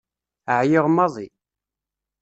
Ԑyiɣ maḍi.